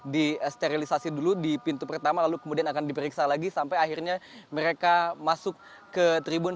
disterilisasi dulu di pintu pertama lalu kemudian akan diperiksa lagi sampai akhirnya mereka masuk ke tribun